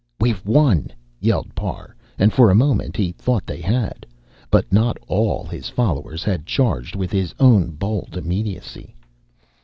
"We've won!" yelled Parr, and for a moment he thought they had. But not all his followers had charged with his own bold immediacy.